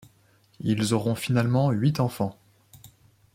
Ils auront finalement huit enfants.